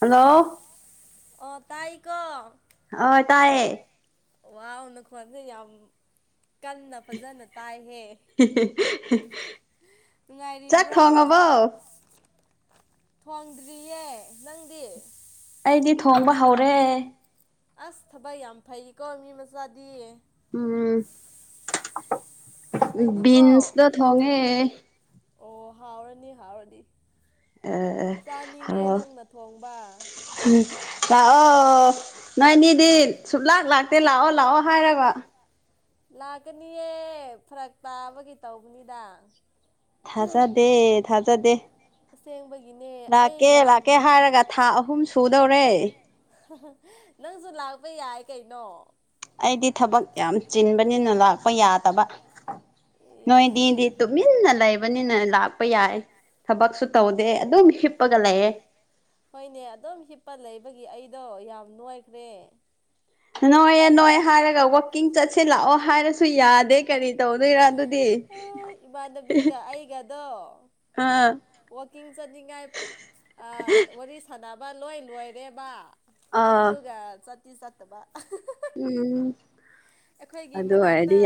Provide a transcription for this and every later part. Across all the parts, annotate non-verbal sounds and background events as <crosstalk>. ꯍꯜꯂꫭ ꯑꯣ ꯇꯥꯏꯀꯣ ꯑꯣ ꯇꯥꯏꯌꯦ ꯋꯥꯎ ꯅꯈꯣꯟꯖꯦ ꯌꯥꯝ ꯀꯟꯅ ꯐꯖꯅ ꯇꯥꯏꯍꯦ ꯅꯨꯉꯥꯏꯔꯤꯕ꯭ꯔꯣ ꯊꯣꯡꯗ꯭ꯔꯤꯌꯦ ꯅꯪꯗꯤ ꯑꯩꯗꯤ ꯊꯣꯡꯕ ꯍꯧꯔꯦ ꯑꯁ ꯊꯕꯛ ꯌꯥꯝ ꯐꯩꯀꯣ ꯃꯤ ꯃꯆꯥꯗꯤ ꯎꯝ ꯕꯤꯟꯁꯗꯣ ꯊꯣꯡꯉꯦ ꯑꯣ ꯍꯥꯎꯔꯅꯤ ꯍꯥꯎꯔꯅꯤ ꯆꯥꯅꯤꯡꯉꯦ ꯅꯪꯅ ꯊꯣꯡꯕ ꯂꯥꯛꯑꯣ ꯅꯣꯏꯅꯤꯗꯤ ꯁꯨꯡꯂꯥꯛ ꯂꯥꯛꯇꯦ ꯂꯥꯛꯑꯣ ꯂꯥꯛꯑꯣ ꯍꯥꯏꯔꯒ ꯂꯥꯛꯀꯅꯤꯌꯦ ꯐꯔꯛ ꯇꯥꯕꯒꯤ ꯇꯧꯕꯅꯤꯗ ꯊꯥꯖꯗꯦ ꯊꯥꯖꯗꯦ ꯑꯁꯦꯡꯕꯒꯤꯅꯦ ꯑꯩ ꯌꯥꯝ ꯂꯥꯛꯀꯦ ꯂꯥꯛꯀꯦ ꯍꯥꯏꯔꯒ ꯊꯥ ꯑꯍꯨꯝ ꯁꯨꯗꫭꯔꯦ ꯅꯪꯁꯨ ꯂꯥꯛꯄ ꯌꯥꯏ ꯀꯩꯅꯣ ꯑꯩꯗꯤ ꯊꯕꯛ ꯌꯥꯝ ꯆꯤꯟꯕꯅꯤꯅ ꯂꯥꯛ ꯂꯥꯛꯄ ꯌꯥꯗꯕ ꯅꯣꯏꯗꯤꯗꯤ ꯇꯨꯃꯤꯟꯅ ꯂꯩꯕꯅꯤꯅ ꯂꯥꯛꯄ ꯌꯥꯏ ꯊꯕꯛꯁꯨ ꯇꯧꯗꯦ ꯑꯗꯨꯝ ꯍꯤꯞꯄꯒ ꯂꯩꯌꯦ ꯍꯣꯏꯅꯦ ꯑꯗꯨꯝ ꯍꯤꯞꯄ ꯂꯩꯕꯒꯤ ꯑꯩꯗꯣ ꯌꯥꯝ ꯅꯣꯏꯈ꯭ꯔꯦ ꯅꯣꯌꯦ ꯅꯣꯌꯦ ꯍꯥꯏꯔꯒ ꯋꯥꯛꯀꯤꯡ ꯆꯠꯁꯤ ꯂꯥꯛꯑꯣ ꯍꯥꯏꯔꯁꯨ ꯌꯥꯗꯦ ꯀꯔꯤ ꯇꯧꯗꯣꯏꯔ ꯑꯗꯨꯗꯤ ꯏꯃꯥꯟꯅꯕꯤꯒ ꯑꯩꯒꯗꯣ ꯑꯥ ꯋꯥꯛꯀꯤꯡ ꯆꯠꯅꯤꯡꯉꯥꯏ ꯑꯥ ꯋꯥꯔꯤ ꯁꯥꯟꯅꯕ ꯂꯣꯏ ꯂꯣꯏꯔꯦꯕ ꯑꯗꯨꯒ ꯆꯠꯇꯤ ꯆꯠꯇꯕ ꯎꯝ ꯑꯩꯈꯣꯏꯒꯤ ꯃꯅꯥꯛꯇ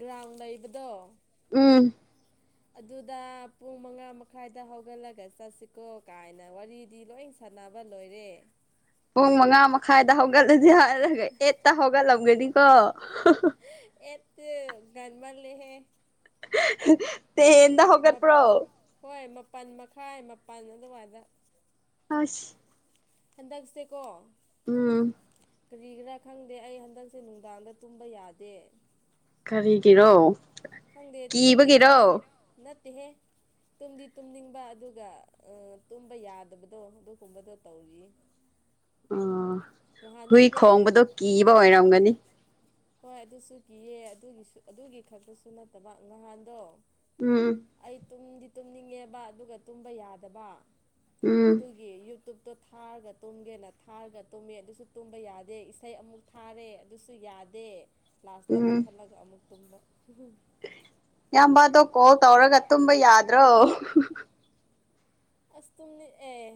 ꯒ꯭ꯔꯥꯎꯟ ꯂꯩꯕꯗꯣ ꯎꯝ ꯑꯗꯨꯗ ꯄꯨꯡ ꯃꯉꯥ ꯃꯈꯥꯏꯗ ꯍꯧꯒꯠꯂꯒ ꯆꯠꯁꯤꯀꯣ ꯀꯥꯏꯅ ꯋꯥꯔꯤꯗꯤ ꯂꯣꯏ ꯁꯥꯟꯅꯕ ꯂꯣꯏꯔꯦ ꯄꯨꯡ ꯃꯉꯥ ꯃꯈꯥꯏꯗ ꯍꯧꯒꯠꯂꯖꯤ ꯍꯥꯏꯔꯒ ꯑꯦꯠꯇ ꯍꯧꯒꯠꯂꯝꯒꯅꯤꯀꯣ ꯇꯦ ꯉꯟꯃꯜꯂꯦꯍꯦ <unintelligible> ꯍꯣꯏ ꯃꯥꯄꯟ ꯃꯈꯥꯏ ꯃꯥꯄꯟ ꯑꯗꯨꯋꯥꯏꯗ ꯑꯁ ꯍꯟꯗꯛꯁꯦꯀꯣ ꯎꯝ ꯀꯔꯤꯒꯤꯔꯥ ꯈꯪꯗꯦ ꯑꯩ ꯍꯟꯗꯛꯁꯦ ꯅꯨꯡꯗꯥꯡꯗ ꯇꯨꯝꯕ ꯌꯥꯗꯦ ꯀꯔꯤꯒꯤꯔꯣ ꯈꯪꯗꯦ ꯇꯨꯝꯗꯤ ꯇꯨꯝꯅꯤꯡ ꯔꯣ ꯅꯠꯇꯦꯍꯦ ꯇꯨꯝꯗꯤ ꯇꯨꯝꯅꯤꯡꯕ ꯑꯗꯨꯒ ꯇꯨꯝꯕ ꯌꯥꯗꯕꯗꯣ ꯑꯗꯨꯒꯨꯝꯕꯗꯣ ꯇꯧꯔꯤꯌꯦ ꯑꯣ ꯍꯨꯏ ꯈꯣꯡꯕꯗꯣ ꯀꯤꯕ ꯑꯣꯏꯔꯝꯒꯅꯤ ꯍꯣꯏ ꯑꯗꯨꯁꯨ ꯀꯤꯌꯦ ꯑꯗꯨꯒꯤꯁꯨ ꯑꯗꯨꯒꯤ ꯈꯛꯇꯁꯨ ꯅꯠꯇꯕ ꯅꯍꯥꯟꯗꯣ ꯎꯝ ꯑꯩ ꯇꯨꯝꯗꯤ ꯇꯨꯝꯅꯤꯡꯉꯦꯕ ꯑꯗꯨꯒ ꯇꯨꯝꯕ ꯌꯥꯗꯕ ꯑꯗꯨ ꯒꯤ ꯌꯨꯇꯨꯞꯇꯣ ꯊꯥꯔꯒ ꯇꯨꯝꯒꯦꯅ ꯊꯥꯔꯒ ꯇꯨꯝꯃꯦ ꯑꯗꯨꯁꯨ ꯇꯨꯝꯕ ꯌꯥꯗꯦ ꯏꯁꯩ ꯑꯃꯨꯛ ꯊꯥꯔꯦ ꯑꯗꯨꯁꯨ ꯌꯥꯗꯦ ꯂꯥꯁꯇ ꯃꯨꯠꯊꯠꯂ ꯒ ꯑꯃꯨꯛ ꯇꯨꯝꯕ ꯏꯌꯥꯝꯕꯗꯣ ꯀꯣꯜ ꯇꯧꯔꯒ ꯇꯨꯝꯕ ꯌꯥꯗ꯭ꯔꯣ ꯑꯁ ꯇꯨꯝꯅꯤ ꯑꯦ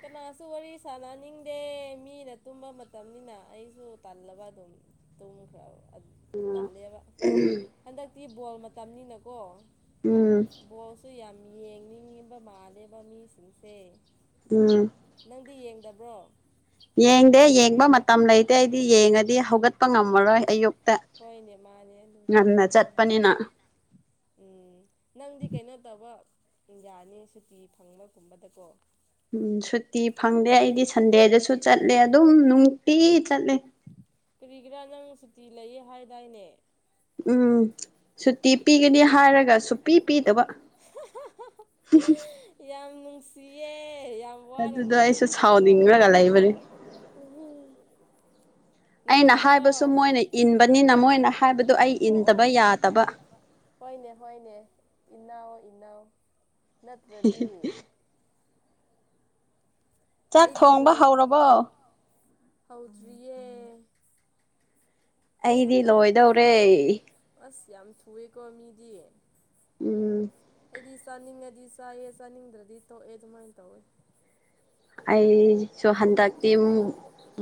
ꯀꯅꯥꯁꯨ ꯋꯥꯔꯤ ꯁꯥꯟꯅꯅꯤꯡꯗꯦ ꯃꯤꯅ ꯇꯨꯝꯕ ꯃꯇꯝꯅꯤꯅ ꯑꯩꯁꯨ ꯇꯜꯂꯕ ꯑꯗꯨꯝ ꯇꯨꯝꯈ꯭ꯔ ꯑ ꯇꯜꯂꯦꯕ ꯍꯟꯗꯛꯇꯤ ꯕꯣꯜ ꯃꯇꯝꯅꯤꯅꯀꯣ ꯎꯝ ꯕꯣꯜꯁꯨ ꯌꯥꯝ ꯌꯦꯡꯅꯤꯡꯉꯦꯕ ꯃꯥꯜꯂꯦꯕ ꯃꯤꯁꯤꯡꯁꯦ ꯎꯝ ꯅꯪꯗꯤ ꯌꯦꯡꯗꯕ꯭ꯔꯣ ꯌꯦꯡꯗꯦ ꯌꯦꯡꯕ ꯃꯇꯝ ꯂꯩꯇꯦ ꯑꯩꯗꯤ ꯌꯦꯡꯉꯗꯤ ꯍꯧꯒꯠꯄ ꯉꯝꯃꯔꯣꯏ ꯑꯌꯨꯛꯇ ꯃꯥꯅꯦ ꯑꯗꯨꯁꯨ ꯆꯨꯝꯃꯤꯅꯦ ꯀꯟꯅ ꯆꯠꯄꯅꯦ ꯎꯝ ꯅꯪꯗꯤ ꯀꯩꯅꯣ ꯇꯧꯕ ꯌꯥꯅꯤ ꯁꯨꯇꯤ ꯐꯪꯕꯒꯨꯝꯕꯗꯀꯣ ꯎꯝ ꯁꯨꯇꯤ ꯐꯪꯗꯦ ꯑꯩꯗꯤ ꯁꯟꯗꯦꯗꯁꯨ ꯆꯠꯂꯦ ꯑꯗꯨꯝ ꯅꯨꯡꯇꯤ ꯆꯠꯂꯦ ꯀꯔꯤꯒꯤꯔꯥ ꯅꯪ ꯁꯨꯇꯤ ꯂꯩꯌꯦ ꯍꯥꯏꯗꯥꯏꯅꯦ ꯎꯝ ꯁꯨꯇꯤ ꯄꯤꯒꯅꯤ ꯍꯥꯏꯔꯒ ꯁꯨꯄꯤ ꯄꯤꯗꯕ ꯌꯥꯝ ꯅꯨꯡꯁꯤꯌꯦ ꯌꯥꯝ ꯋꯥꯔꯝꯒꯗꯤ ꯑꯗꯨꯗꯤ ꯀꯣ ꯔꯤꯡ ꯈꯔꯒ ꯂꯩꯕꯅꯤ <unintelligible> ꯑꯩꯅ ꯍꯥꯏꯕꯁꯨ ꯃꯣꯏꯅ ꯏꯟꯕꯅꯤꯅ ꯃꯣꯏꯅ ꯍꯥꯏꯕꯗꯨ ꯑꯩ ꯏꯟꯗꯕ ꯌꯥꯗꯕ ꯍꯣꯏꯅꯦ ꯍꯣꯏꯅꯦ ꯏꯅꯥꯎ ꯏꯅꯥꯎ ꯅꯠꯇ꯭ꯔꯗꯤ ꯑꯩꯗꯤ ꯕꯣꯜ ꯆꯥꯛ ꯊꯣꯡꯕ ꯍꯧꯔꯕꯣ ꯍꯧꯗ꯭ꯔꯤꯌꯦ ꯑꯩ ꯍꯟꯗꯛ ꯑꯩꯗꯤ ꯂꯣꯏꯗꯧꯔꯦ ꯑꯁ ꯌꯥꯝ ꯊꯨꯋꯦꯀꯣ ꯃꯤꯗꯤ ꯎꯝ ꯑꯩꯗꯤ ꯆꯥꯅꯤꯡꯉꯗꯤ ꯆꯥꯏꯌꯦ ꯆꯥꯅꯤꯡꯗ꯭ꯔꯗꯤ ꯇꯣꯛꯑꯦ ꯑꯗꯨꯃꯥꯏꯅ ꯇꯧꯋꯦ ꯑꯩꯁꯨ ꯍꯟꯗꯛꯇꯤ ꯃꯨ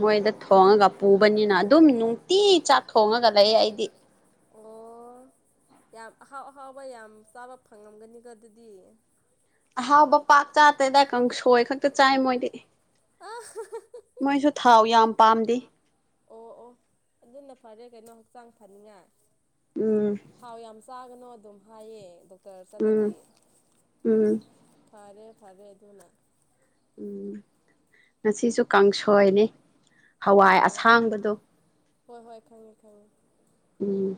ꯃꯣꯏꯗ ꯊꯣꯡꯉꯒ ꯄꯨꯕꯅꯤꯅ ꯑꯗꯨꯝ ꯅꯨꯡꯇꯤ ꯆꯥꯛ ꯊꯣꯡꯉꯒ ꯂꯩꯌꯦ ꯑꯩꯗꯤ ꯑꯣ ꯌꯥꯝ ꯑꯍꯥꯎ ꯑꯍꯥꯎꯕ ꯌꯥꯝ ꯆꯥꯕ ꯐꯪꯉꯝꯒꯅꯤꯀꯣ ꯑꯗꯨꯗꯤ ꯑꯍꯥꯎꯕ ꯄꯥꯛ ꯆꯥꯇꯦꯗ ꯀꯥꯡꯁꯣꯏ ꯈꯛ ꯍꯦꯛꯇ ꯆꯥꯏ ꯃꯣꯏꯗꯤ ꯃꯣꯏꯁꯨ ꯊꯥꯎ ꯌꯥꯝ ꯄꯥꯝꯗꯦ ꯑꯣ ꯑꯣ ꯑꯗꯨꯅ ꯐꯔꯦ ꯀꯩꯅꯣ ꯍꯛꯆꯥꯡ ꯐꯅꯤꯉꯥꯏ ꯎꯝ ꯊꯥꯎ ꯌꯥꯝ ꯆꯥꯒꯅꯣ ꯑꯗꯨꯝ ꯍꯥꯏꯌꯦ ꯗꯣꯛꯇꯔ ꯆꯠꯂꯗꯤ ꯐꯔꯦ ꯐꯔꯦ ꯑꯗꯨꯅ ꯎꯝ ꯉꯁꯤꯁꯨ ꯀꯥꯡꯁꯣꯏꯅꯤ ꯍꯋꯥꯏ ꯑꯁꯥꯡꯕꯗꯣ ꯍꯣꯏ ꯍꯣꯏ ꯈꯪꯉꯦ ꯈꯪꯉꯦ ꯎꯝ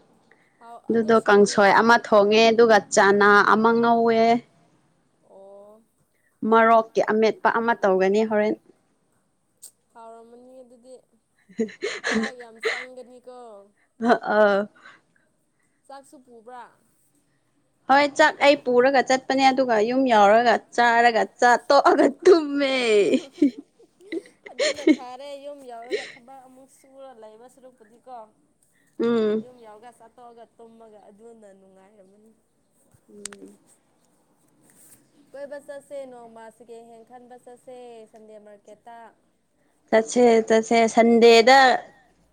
ꯑꯗꯨꯗꯣ ꯀꯥꯡꯁꯣꯏ ꯑꯃ ꯊꯣꯡꯉꯦ ꯑꯗꯨꯒ ꯆꯅꯥ ꯑꯃ ꯉꯧꯋꯦ ꯑꯣ ꯃꯔꯣꯀꯤ ꯑꯃꯦꯠꯄ ꯑꯃ ꯇꯧꯒꯅꯤ ꯍꯣꯔꯦꯟ ꯍꯥꯎꯔꯝꯃꯅꯤ ꯑꯗꯨꯗꯤ ꯆꯥꯛ ꯌꯥꯝ ꯆꯪꯒꯅꯤꯀꯣ ꯑ ꯑꯥ ꯆꯥꯛꯁꯨ ꯄꯨꯕ꯭ꯔꯥ ꯍꯣꯏ ꯆꯠ ꯑꯩ ꯄꯨꯔꯒ ꯆꯠ ꯆꯠꯄꯅꯦ ꯑꯗꯨꯒ ꯌꯨꯝ ꯌꯥꯎꯔꯒ ꯆꯥꯔꯒ ꯆꯥ ꯇꯣꯛꯑꯒ ꯇꯨꯝꯃꯦ ꯑꯗꯨꯅ ꯐ ꯔꯦ ꯌꯨꯝ ꯌꯥꯎꯔꯒ ꯊꯕꯛ ꯑꯃꯨꯛ ꯁꯨꯔ ꯂꯩꯕ ꯁꯔꯨꯛꯄꯨꯗꯤꯀꯣ ꯎꯝ ꯌꯨꯝ ꯌꯥꯎꯔꯒ ꯆꯥꯊꯣꯛꯑꯒ ꯇꯨꯝꯃꯒ ꯑꯗꯨꯅ ꯅꯨꯡꯉꯥꯏꯔꯝꯃꯅꯤ ꯎꯝ ꯀꯣꯏꯕ ꯆꯠꯁꯦ ꯅꯣꯡꯃꯥ ꯁꯤꯀꯦꯍꯦꯟ ꯈꯟꯕ ꯆꯠꯁꯦ ꯁꯟꯗꯦ ꯃꯥꯔꯀꯦꯠꯇ ꯆꯠꯁꯦ ꯆꯠꯁꯦꯁꯟꯗꯦꯗ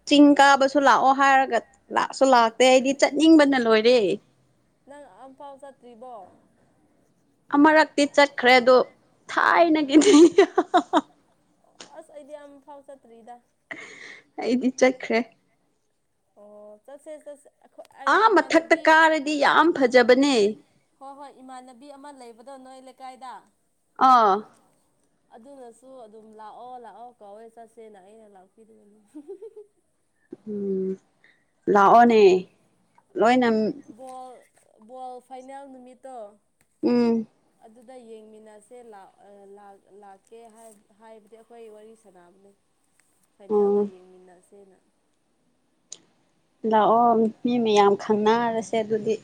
ꯆꯤꯡ ꯀꯥꯕꯁꯨ ꯂꯥꯛꯑꯣ ꯍꯥꯏꯔꯒ ꯂꯥꯛꯁꯨ ꯂꯥꯛꯇꯦ ꯑꯩꯗꯤ ꯆꯠꯅꯤꯡꯕꯅ ꯂꯣꯏꯔꯦ ꯅꯪ ꯑꯝ ꯐꯥꯎ ꯆꯠꯇ꯭ꯔꯤꯕꯣ ꯑꯃꯔꯛꯇꯤ ꯆꯠꯈ꯭ꯔꯦꯗꯣ ꯊꯥꯏꯅꯒꯤ ꯑꯣ ꯑꯁ ꯑꯩꯗꯤ ꯑꯝ ꯐꯥꯎ ꯆꯠꯇ꯭ꯔꯤꯗ ꯑꯩꯗꯤ ꯆꯠꯈ꯭ꯔꯦ ꯑꯣ ꯆꯠꯁꯦ ꯆꯠꯁꯦ ꯑꯥ ꯃꯊꯛꯇ ꯀꯥꯔꯗꯤ ꯌꯥꯝ ꯐꯖꯕꯅꯦ ꯍꯣꯏ ꯍꯣꯏ ꯏꯃꯥꯟꯅꯕꯤ ꯑꯃ ꯂꯩꯕꯗꯣ ꯅꯣꯏ ꯂꯩꯀꯥꯏꯗ ꯑꯥ ꯑꯗꯨꯅꯁꯨ ꯑꯗꯨꯝ ꯂꯥꯛꯑꯣ ꯂꯥꯛꯑꯣ ꯀꯧꯋꯦ ꯆꯠꯁꯦꯅ ꯑꯩꯅ ꯂꯥꯛꯄꯤꯗꯕꯅꯤ ꯎꯝ ꯂꯥꯛꯑꯣꯅꯦ ꯂꯣꯏꯅ ꯕꯣꯜ ꯕꯣꯜ ꯐꯥꯏꯅꯦꯜ ꯅꯨꯃꯤꯠꯇꯣ ꯎꯝ ꯑꯗꯨꯗ ꯌꯦꯡꯃꯤꯟꯅꯁꯦ ꯂꯥꯛꯀꯦ ꯍꯥꯏꯕꯗꯤ ꯑꯈꯣꯏ ꯋꯥꯔꯤ ꯁꯥꯟꯅꯕꯅꯦ ꯐꯥꯏꯅꯦꯜꯗꯣ ꯌꯦꯡꯃꯤꯟꯅꯁꯦꯅ ꯂꯥꯛꯑꯣ ꯃꯤ ꯃꯌꯥꯝ ꯈꯪꯅꯔꯁꯦ ꯑꯗꯨꯗꯤ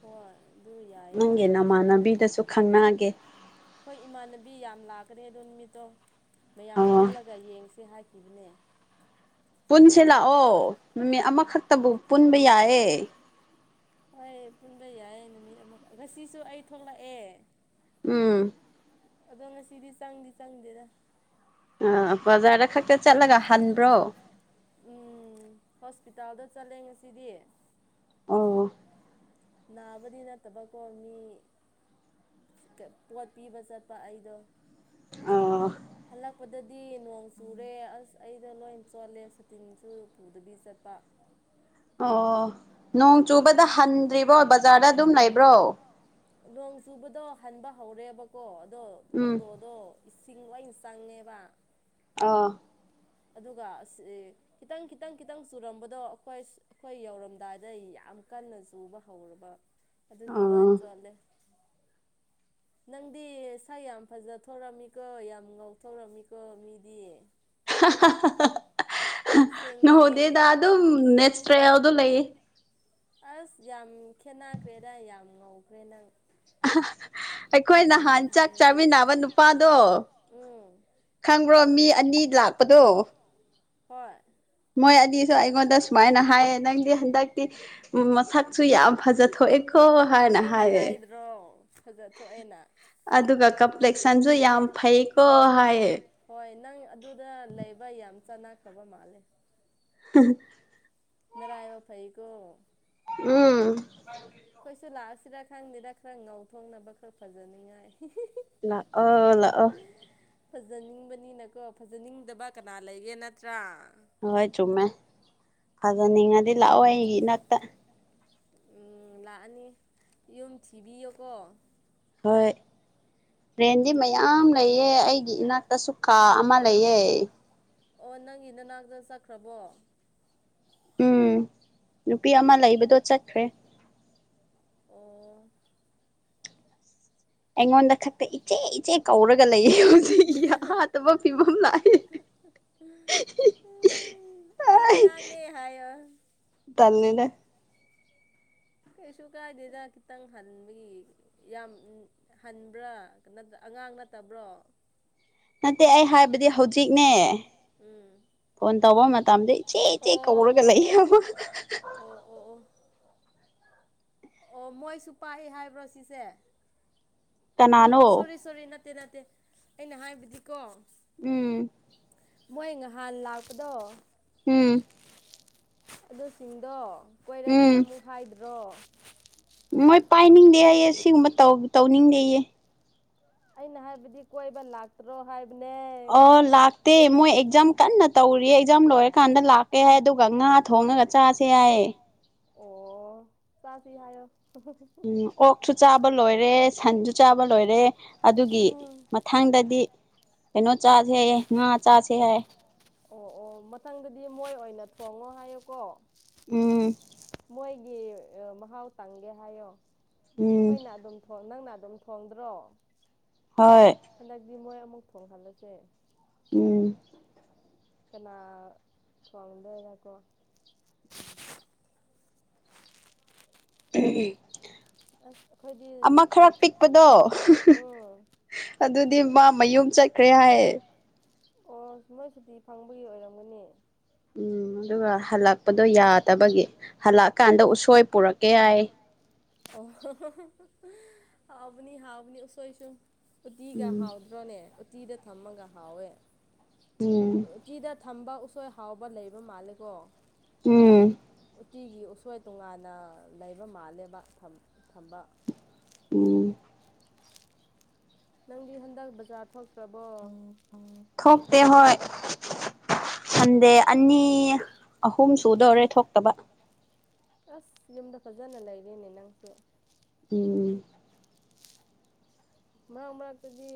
ꯍꯣꯏ ꯑꯗꯨ ꯌꯥꯏꯑꯦ ꯀꯩꯁꯨ ꯀꯥꯏꯗꯦ ꯑꯩꯈꯣꯏ ꯏꯃꯥꯟꯅꯕꯤ ꯌꯥꯝ ꯂꯥꯛꯀꯅꯤ ꯑꯗꯨ ꯅꯨꯃꯤꯠꯇꯣ ꯃꯌꯥꯝ ꯄꯨꯟꯂꯒ ꯌꯦꯡꯁꯤ ꯁꯤ ꯍꯥꯏꯈꯤꯕꯅꯦ ꯄꯨꯟꯁꯦ ꯂꯥꯛꯑꯣ ꯅꯨꯃꯤꯠ ꯑꯃ ꯈꯛꯇꯕꯨ ꯄꯨꯟꯕ ꯌꯥꯏꯌꯦ ꯍꯣꯏ ꯄꯨꯟꯕ ꯌꯥꯏꯌꯦ ꯅꯨꯃꯤꯠ ꯑꯃꯈꯛ ꯉꯁꯤꯁꯨ ꯑꯩ ꯊꯣꯛꯂꯛꯑꯦ ꯎꯝ ꯑꯗꯣ ꯉꯁꯤꯗꯤ ꯆꯪꯗꯤ ꯆꯪꯗꯦꯗ ꯑ ꯕꯖꯥꯔꯗ ꯈꯛꯇ ꯆꯠꯂꯒ ꯍꯟꯕ꯭ꯔꯣ ꯎꯝ ꯍꯣꯁꯄꯤꯇꯥꯜꯗ ꯆꯠꯂꯦ ꯉꯁꯤꯗꯤ ꯑꯣ ꯅꯥꯕꯗꯤ ꯅꯠꯇꯕꯀꯣ ꯃꯤ ꯄꯣꯠ ꯄꯤꯕ ꯆꯠ ꯄ ꯑꯩꯗꯣ ꯍꯜꯂꯛ ꯄꯗꯗꯤ ꯅꯣꯡ ꯆꯨꯔꯦ ꯑꯁ ꯑꯩꯗ ꯂꯣꯏ ꯆꯣꯠꯂꯦ ꯁꯇꯤꯟꯁꯨ ꯄꯨꯗꯕꯤ ꯆꯠꯄ ꯑꯣ ꯅꯣꯡ ꯆꯨꯕꯗ ꯍꯟꯗ꯭ꯔꯤꯕꯣ ꯕꯖꯥꯔꯗ ꯑꯗꯨꯝ ꯂꯩꯕ꯭ꯔꯣ ꯅꯣꯡ ꯆꯨꯕꯗꯣ ꯍꯟꯕ ꯍꯧꯔꯦꯕꯀꯣ ꯑꯗꯣ ꯑꯣꯛꯇꯣꯗꯣ ꯏꯁꯤꯡ ꯂꯣꯏ ꯆꯪꯉꯦꯕ ꯑꯥ ꯑꯗꯨꯒ ꯑꯁꯤ ꯈꯤꯇꯪ ꯈꯤꯇꯪ ꯈꯤꯇꯪ ꯆꯨꯔꯝꯕꯗꯣ ꯑꯈꯣꯏ ꯑꯈꯣꯏ ꯌꯧꯔꯝꯗꯥꯏꯗ ꯌꯥꯝ ꯀꯟꯅ ꯆꯨꯕ ꯍꯧꯔꯕ ꯑꯗꯨꯒꯤ ꯂꯣꯏ ꯆꯣꯠꯂꯦ ꯅꯪꯗꯤ ꯁꯥꯛ ꯌꯥꯝ ꯐꯖꯊꯣꯛꯔꯝꯃꯤꯀꯣ ꯌꯥꯝ ꯉꯧ ꯊꯣꯛꯔꯝꯃꯤꯀꯣ ꯃꯤꯗꯤ ꯉꯧꯗꯦꯗ ꯑꯗꯨꯝ ꯅꯦꯆꯔꯦꯜꯗ ꯂꯩꯌꯦ ꯑꯁ ꯌꯥꯝ ꯈꯦꯠꯅꯈ꯭ꯔꯦꯗ ꯌꯥꯝ ꯉꯧꯈ꯭ꯔꯦ ꯅꯪ ꯑꯩꯈꯣꯏ ꯅꯍꯥꯟ ꯆꯥꯛ ꯆꯥꯃꯤꯟꯅꯕ ꯅꯨꯄꯥꯗꯣ ꯈꯪꯕ꯭ꯔꯣ ꯃꯤ ꯑꯅꯤ ꯂꯥꯛꯄꯗꯣ ꯍꯣꯏ ꯃꯣꯏ ꯑꯅꯤꯁꯨ ꯑꯩꯉꯣꯟꯗ ꯁꯨꯃꯥꯏꯅ ꯍꯥꯏꯌꯦ ꯅꯪꯗꯤ ꯍꯟꯗꯛꯇꯤ ꯃꯁꯛꯁꯨ ꯌꯥꯝ ꯐꯖꯊꯣꯛꯑꯦꯀꯣ ꯍꯥꯏꯅ ꯍꯥꯏꯌꯦ ꯐꯖꯊꯣꯛꯑꯦꯅ ꯑꯗꯨꯒ ꯀꯝꯄ꯭ꯂꯦꯛꯁ꯭ꯟꯁꯨ ꯌꯥꯝ ꯐꯩꯀꯣ ꯍꯥꯏꯌꯦ ꯍꯣꯏ ꯅꯪ ꯑꯗꯨꯗ ꯂꯩꯕ ꯌꯥꯝ ꯆꯅꯈ꯭ꯔꯕ ꯃꯥꯟꯂꯦ ꯎꯝ <unintelligible> ꯅꯔꯥꯏꯕꯛ ꯐꯩ ꯀꯣ ꯎꯝ ꯈꯣꯏꯁꯨ ꯂꯥꯛꯑꯁꯤꯔ ꯈꯪꯗꯦꯗ ꯈꯔ ꯉꯧꯊꯣꯡꯅꯕ ꯈꯔ ꯐꯖꯅꯤꯡꯉꯥꯏ ꯂꯥꯛꯑꯣ ꯂꯥꯛꯑꯣ ꯐꯖꯅꯤꯡꯕꯅꯤꯅꯀꯣ ꯐꯖꯅꯤꯡꯗꯕ ꯀꯅꯥ ꯂꯩꯒꯦ ꯅꯠꯇ꯭ꯔꯥ ꯍꯣꯏ ꯆꯨꯝꯃꯦ ꯐꯖꯅꯤꯡꯉꯗꯤ ꯂꯥꯛꯑꯣ ꯑꯩꯒꯤ ꯏꯅꯛꯇ ꯎꯝ ꯂꯥꯛꯑꯅꯤ ꯌꯨꯝ ꯊꯤꯕꯤꯌꫭꯀꯣ ꯍꯣꯏ ꯔꯦꯟꯗꯤ ꯃꯌꯥꯝ ꯂꯩꯌꯦ ꯑꯩꯒꯤ ꯏꯅꯥꯛꯇꯁꯨ ꯀꯥ ꯀꯥ ꯑꯃꯥ ꯂꯩꯌꯦ ꯑꯣ ꯅꯪꯒꯤ ꯅꯅꯥꯛꯇ ꯆꯠꯈ꯭ꯔꯕꯣ ꯎꯝ ꯅꯨꯄꯤ ꯑꯃ ꯂꯩꯕꯗꯣ ꯆꯠꯈ꯭ꯔꯦ ꯑꯣ ꯑꯩꯉꯣꯟꯗ ꯈꯛꯇ ꯏꯆꯦ ꯏꯆꯦ ꯀꯧꯔꯒ ꯂꯩꯌꯦ ꯍꯧꯖꯤꯛ ꯌꯥꯗꯕ ꯐꯤꯕꯝ ꯂꯥꯛꯑꯦ ꯑꯩ ꯑꯉꯥꯡꯅꯦ ꯍꯥꯏꯌꯣ ꯇꯜꯂꯤꯅꯦ ꯀꯩꯁꯨ ꯀꯥꯏꯗꯦꯗ ꯈꯤꯇꯪ ꯍꯟꯕꯒꯤ ꯌꯥꯝ ꯍꯟꯕ꯭ꯔꯥ ꯑꯉꯥꯡ ꯅꯠꯇꯕ꯭ꯔꯣ ꯅꯠꯇꯦ ꯑꯩ ꯍꯥꯏꯕꯗꯤ ꯍꯧꯖꯤꯛꯅꯦ ꯎꯝ ꯐꯣꯟ ꯇꯧꯕ ꯃꯇꯝꯗ ꯏꯆꯦ ꯏꯆꯦ ꯀꯧꯔꯒ ꯂꯩ ꯍꯥꯏꯕ ꯑꯣ ꯑꯣ ꯑꯣ ꯃꯣꯏꯁꯨ ꯄꯥꯛꯏ ꯍꯥꯏꯕ꯭ꯔꯣ ꯁꯤꯁꯦ ꯑ‌ꯣ ꯁꯣꯔꯤ ꯁꯣꯔꯤ ꯅꯠꯇꯦ ꯅꯠꯇꯦ ꯑꯩꯅ ꯍꯥꯏꯕꯗꯤꯀꯣ ꯎꯝ ꯃꯣꯏ ꯉꯍꯥꯟ ꯂꯥꯛꯄꯗꯣ ꯎꯝ ꯑꯗꯨꯁꯤꯡꯗꯣ ꯀꯣꯏꯔꯛꯀꯦ ꯑꯃꯨꯛ ꯍꯥꯏꯗ꯭ꯔꯣ ꯃꯣꯏ ꯄꯥꯏꯅꯤꯡꯗꯦ ꯍꯥꯏꯌ‌ꯦ ꯁꯤꯒꯨꯝꯕ ꯇꯧ ꯇꯧꯅꯤꯡꯗꯦꯌꯦ ꯑꯩꯅ ꯍꯥꯏꯕꯗꯤ ꯀꯣꯏꯕ ꯂꯥꯛꯇ꯭ꯔꯣ ꯍꯥꯏ ꯅꯦ ꯑꯣ ꯂꯥꯛ ꯇ‌ꯦ ꯃꯣꯏ ꯑꯦꯛꯖꯥꯝ ꯀꯟꯅ ꯇꯧꯔꯤꯌꯦ ꯑꯦꯛꯖꯥꯝ ꯂꯣꯏꯔꯀꯥꯟꯗ ꯂꯥꯛꯀꯦ ꯍꯥꯏ ꯑꯗꯨꯒ ꯉꯥ ꯊꯣꯡꯉꯒ ꯆꯥꯁꯦ ꯍꯥꯏꯌꯦ ꯑꯣ ꯆꯁꯤ ꯍꯥꯏꯌꯣ ꯎꯝ ꯑꯣꯛꯁꯨ ꯆꯥꯕ ꯂꯣꯏꯔꯦ ꯁꯟꯁꯨ ꯆꯥꯕ ꯂꯣꯏꯔꯦ ꯑꯗꯨꯒꯤ ꯃꯊꯪꯗꯗꯤ ꯀꯩꯅꯣ ꯆꯥꯁꯦꯌ‌ꯦ ꯉꯥ ꯆꯥꯁꯦ ꯍꯥꯏ ꯑꯣ ꯑꯣ ꯃꯊꯪꯗꯗꯤ ꯃꯣꯏ ꯑꯣꯏꯅ ꯊꯣꯡꯉꯣ ꯍꯥꯏꯌꯨꯀꯣ ꯃꯣꯏꯒꯤ ꯃꯍꯥꯎ ꯇꯪꯒꯦ ꯍꯥꯏꯌꯣ ꯑꯩꯈꯣꯏꯅ ꯑꯗꯨꯝ ꯊ‌ꯣꯡ ꯅꯪꯅ ꯑꯗꯨꯝ ꯊꯣꯡꯗ꯭ꯔꯣ ꯍꯣꯏ ꯍꯟꯗꯛꯇꯤ ꯃꯣꯏ ꯑꯃꯨꯛ ꯊꯣꯡꯍꯜꯂꯁꯦ ꯎꯝ ꯀꯅꯥ ꯊꯣꯡꯗꯣꯏꯔꯀꯣ ꯎꯝ ꯎꯝ ꯑꯃ ꯈꯔ ꯄꯤꯛꯄꯗꯣ ꯑꯗꯨꯗꯤ ꯃꯥ ꯃꯌꯨꯝ ꯆꯠꯈ꯭ꯔꯦ ꯍꯥꯏꯌꯦ ꯑꯣ ꯃꯣꯏ ꯁꯨꯇꯤ ꯐꯪꯕꯒꯤ ꯑꯣꯏꯔꯝꯒꯅꯤ ꯎꯝ ꯑꯗꯨꯒ ꯍꯜꯂꯛꯄꯗꯣ ꯌꯥꯗꯕꯒꯤ ꯍꯜꯂꯛꯑꯀꯥꯟꯗ ꯎꯁꯣꯏ ꯄꯨꯔꯛꯀꯦ‌ ꯍꯥꯏꯌ‌ꯦ ꯑꯣ <unintelligible> ꯍꯥꯎꯕꯅꯤ ꯍꯥꯎꯕꯅꯤ ꯎꯁꯣꯏꯁꯨ ꯎꯇꯤꯒ ꯍꯥꯎꯗ꯭ꯔꯣꯅꯦ ꯎꯇꯤꯗ ꯊꯝꯃꯒ ꯍꯥꯎꯋꯦ ꯎꯇꯤꯗ ꯊꯝꯕ ꯎꯁꯣꯏ ꯍꯥꯎꯕ ꯂꯩꯕ ꯃꯥꯜꯂꯦꯀꯣ ꯎꯝ ꯎꯇꯤꯒꯤ ꯎꯁꯣꯏ ꯇꯣꯉꯥꯟꯅ ꯂꯩꯕ ꯃꯥꯜꯂꯦꯕ ꯊꯝ ꯊꯝꯕ ꯎꯝ ꯅꯪꯗꯤ ꯍꯟꯗꯛ ꯕꯖꯥꯔ ꯊꯣꯛꯇ꯭ꯔꯕꯣ ꯎꯝ ꯎꯝ ꯊꯣꯛꯇ‌ꯦ ꯍꯣꯏ ꯁꯟꯗꯦ ꯑꯅꯤ ꯑꯍꯨꯝ ꯁꯨꯗꯧꯔꯦ ꯊꯣꯛꯇꯕ ꯑꯁ ꯌꯨꯝꯗ ꯐꯖꯅ ꯂꯩꯔꯤꯅꯦ ꯅꯪꯁꯨ ꯎꯝ ꯃꯔꯛ ꯃꯔꯛꯇꯗꯤ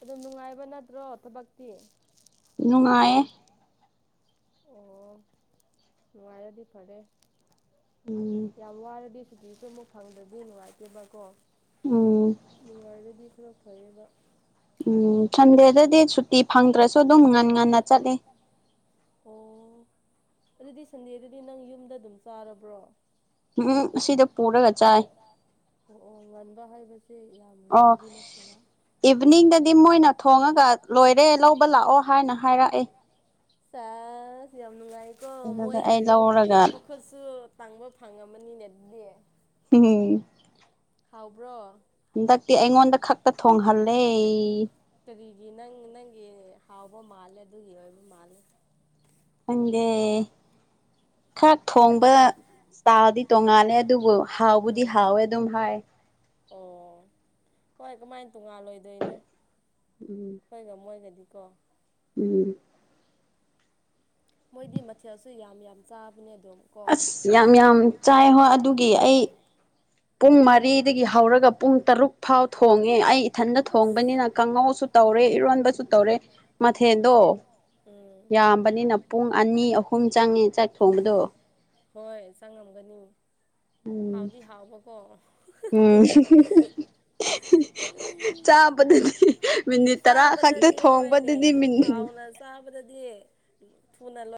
ꯑꯗꯨꯝ ꯅꯨꯡꯉꯥꯏꯕ ꯅꯠꯇ꯭ꯔꯣ ꯊꯕꯛꯇꯤ ꯅꯨꯡꯉꯥꯏꯌꯦ ꯑꯣ ꯅꯨꯡꯉꯥꯏꯔꯗꯤ ꯐꯔꯦ ꯌꯥꯝ ꯋꯥꯔꯗꯤ ꯁꯨꯇꯤꯁꯨ ꯑꯃꯨꯛ ꯐꯪꯗ꯭ꯔꯗꯤ ꯅꯨꯡꯉꯥꯏꯇꯦꯕ ꯀꯣ ꯎꯝ ꯅꯨꯡꯉꯥꯏꯔꯗꯤ ꯈꯔ ꯐꯩꯌꯦꯕ ꯎꯝ ꯁꯟꯗꯦꯗꯗꯤ ꯁꯨꯇꯤ ꯐꯪꯗ꯭ꯔꯁꯨ ꯑꯗꯨꯝ ꯉꯟ ꯉꯟꯅ ꯆꯠꯂꯤ ꯑꯣ ꯑꯗꯨꯗꯤ ꯁꯟꯗꯦꯗꯗꯤ ꯅꯪ ꯌꯨꯝꯗ ꯑꯗꯨꯝ ꯆꯥꯔꯕ꯭ꯔꯣ ꯎꯝ ꯑꯁꯤꯗ ꯄꯨꯔꯒ ꯆꯥꯏ ꯑꯣ ꯑꯣ ꯉꯟꯕ ꯍꯥꯏꯕꯁꯦ ꯌꯥꯝ ꯉꯟꯕꯗꯤ ꯅꯠꯇꯕ ꯏꯚꯅꯤꯡꯗꯗꯤ ꯃꯣꯏꯅ ꯊꯣꯡꯉꯒ ꯂꯣꯏꯔꯦ ꯂꯧꯕ ꯂꯥꯛꯑꯣ ꯍꯥꯏꯅ ꯍꯥꯏꯔꯛꯑꯦ ꯁꯦꯁ ꯌꯥꯝ ꯅꯨꯡꯉꯥꯏꯀꯣ ꯃꯣꯏꯒꯤ ꯃꯈꯨ ꯈꯨꯠꯁꯨ ꯇꯪꯕ ꯐꯪꯉꯝꯃꯅꯤꯅꯦ ꯑꯗꯨꯗꯤ <unintelligible> ꯍꯥꯎꯕ꯭ꯔꯣ ꯍꯟꯗꯛꯇꯤ ꯑꯩꯉꯣꯟꯗ ꯈꯛꯇ ꯊꯣꯡꯍꯜꯂꯦ ꯀꯔꯤꯒꯤ ꯅꯪ ꯅꯪꯒꯤ ꯍꯥꯎꯕ ꯃꯥꯜꯂꯦ ꯑꯗꯨꯒꯤ ꯑꯣꯏꯕ ꯃꯥꯜꯂꯦ ꯈꯪꯗꯦ ꯈꯔ ꯊꯣꯡꯕꯗ ꯆꯥꯗꯤ ꯇꯣꯉꯥꯜꯂꯦ ꯑꯗꯨꯕꯨ ꯍꯥꯎꯕꯨꯗꯤ ꯍꯥꯎꯋꯦ ꯑꯗꯨꯝ ꯍꯥꯏ ꯑꯣ ꯍꯣꯏ ꯀꯃꯥꯏꯅ ꯇꯣꯡꯉꯥꯜꯂꯣꯏꯗꯣꯏꯅꯣ ꯎꯝ ꯍꯣꯏꯒ ꯃꯣꯏꯒꯗꯤꯀꯣ ꯎꯝ ꯃꯣꯏꯗꯤ ꯃꯊꯦꯜꯁꯨ ꯌꯥꯝ ꯌꯥꯝ ꯆꯥꯕꯅꯦ ꯑꯗꯨꯝ ꯑꯁ ꯌꯥꯝ ꯌꯥꯝ ꯆꯥꯏ ꯍꯣꯏ ꯑꯗꯨꯒꯤ ꯑꯩ ꯄꯨꯡ ꯃꯔꯤꯗꯒꯤ ꯍꯧꯔꯒ ꯄꯨꯡ ꯇꯔꯨꯛ ꯐꯥꯎ ꯊꯣꯡꯉꯦ ꯑꯩ ꯏꯊꯟꯗ ꯊꯣꯡꯕꯅꯤꯅ ꯀꯥꯡꯉꯧꯁꯨ ꯇꯧꯔꯦ ꯏꯔꯣꯟꯕꯁꯨ ꯇꯧꯔꯦ ꯃꯊꯦꯜꯗꯣ ꯌꯥꯝꯕꯅꯤꯅ ꯄꯨꯡ ꯑꯅꯤ ꯑꯍꯨꯝ ꯆꯪꯉꯦ ꯆꯥꯛ ꯊꯣꯡꯕꯗꯣ ꯍꯣꯏ ꯆꯪꯉꯝꯒꯅꯤ ꯍꯥꯎꯗꯤ ꯍꯥꯎꯕꯀꯣ ꯎꯝ ꯆꯥꯕꯗꯗꯤ ꯃꯤꯅꯤꯠ ꯇꯔꯥ ꯈꯛꯇ ꯊꯣꯡꯕꯗꯗꯤ ꯃꯤꯅꯤ ꯆꯥꯕꯗꯗꯤ ꯊꯨꯅ ꯂꯣꯏ